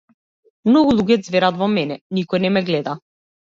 Многу луѓе ѕверат во мене, никој не ме гледа.